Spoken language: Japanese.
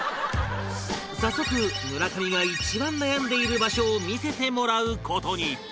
早速村上が一番悩んでいる場所を見せてもらう事に